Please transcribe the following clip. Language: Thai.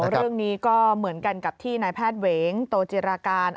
เรื่องนี้ก็เหมือนกันกับที่นายแพทย์เหวงโตจิราการ